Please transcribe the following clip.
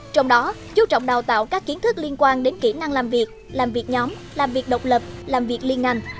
trong đó chú trọng đào tạo các kiến thức liên quan đến kỹ năng làm việc làm việc nhóm làm việc độc lập làm việc liên ngành